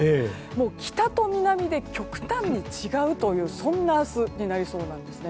もう北と南で極端に違うというそんな明日になりそうなんです。